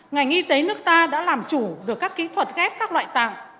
ngành y tế nước ta đã làm chủ được các kỹ thuật ghép các loại tạng